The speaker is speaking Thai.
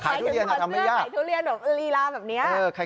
ขายทุเรียนถอดเสื้อขายทุเรียนหรือรีลาแบบนี้